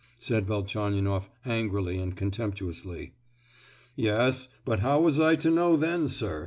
said Velchaninoff angrily and contemptuously. "Yes, but how was I to know then, sir?"